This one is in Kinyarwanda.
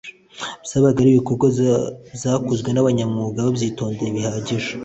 bwabaga ari ibikorwa byakozwe n'abanyamwuga babyitoje bihagije